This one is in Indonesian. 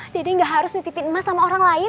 dede gak harus ditipin emas sama orang lain